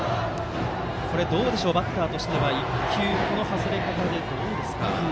バッターとしては１球、今の外れ方でどうでしょう。